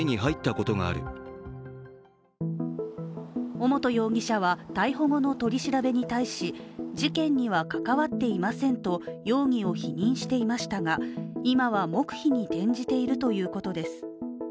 尾本容疑者は、逮捕後の取り調べに対し事件には関わっていませんと容疑を否認していましたが今は黙秘に転じているということです。